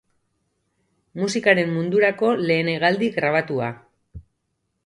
Musikaren mundurako lehen hegaldi grabatua.